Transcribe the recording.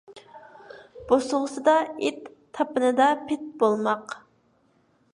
بوسۇغىسىدا ئىت، تاپىنىدا پىت بولماق